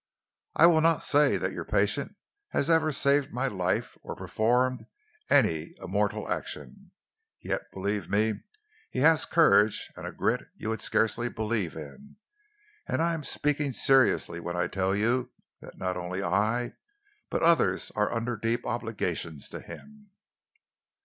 I will not say that your patient has ever saved my life or performed any immortal action, yet believe me he has courage and a grit you would scarcely believe in, and I am speaking seriously when I tell you that not only I but others are under deep obligations to him."